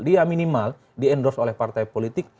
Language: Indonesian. dia minimal di endorse oleh partai politik